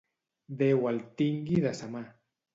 Déu el tingui de sa mà.